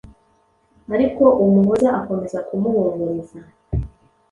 ariko Umuhoza akomeza kumuhumuriza